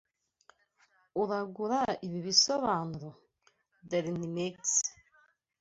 Uragura ibi bisobanuro? (darinmex)